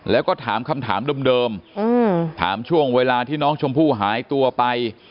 แล้วก็ถามคำถามเดิมถามช่วงเวลาที่น้องชมพู่หายตัวไป